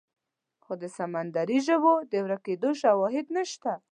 خو د سمندري ژوو د ورکېدو شواهد نشته.